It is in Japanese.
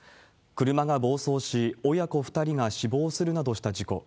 車が暴走し、親子２人が死亡するなどした事故。